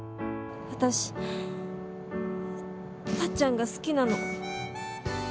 私タッちゃんが好きなの。